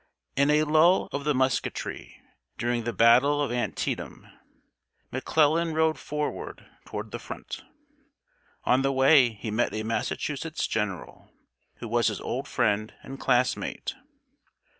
In a lull of the musketry, during the battle of Antietam, McClellan rode forward toward the front. On the way, he met a Massachusetts general, who was his old friend and class mate.